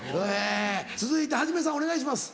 続いて元さんお願いします。